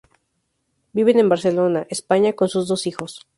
Viven en Barcelona, España, con sus dos hijos.